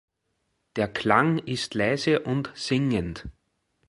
Der Klang ist leise und singend.